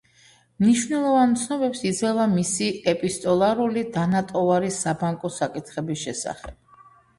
მნიშვნელოვან ცნობებს იძლევა მისი ეპისტოლარული დანატოვარი საბანკო საკითხების შესახებ.